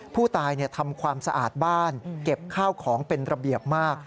ผู้ตายทำความสะอาดบ้านเก็บข้าวของเป็นระเบียบมาก